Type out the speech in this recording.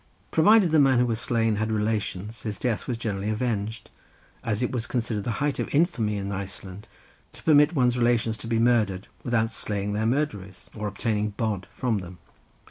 Provided the man who was slain had relations, his death was generally avenged, as it was considered the height of infamy in Iceland to permit one's relations to be murdered, without slaying their murderers, or obtaining bod from them.